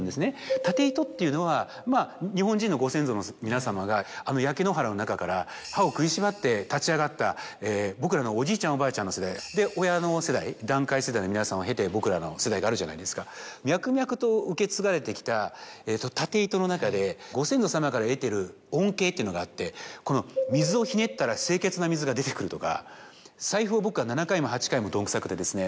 縦糸っていうのはまぁ日本人のご先祖の皆様があの焼け野原の中から歯を食いしばって立ち上がった僕らのおじいちゃんおばあちゃんの世代。で親の世代団塊世代の皆さんを経て僕らの世代があるじゃないですか脈々と受け継がれてきた縦糸の中でご先祖様から得てる恩恵っていうのがあって水をひねったら清潔な水が出てくるとか。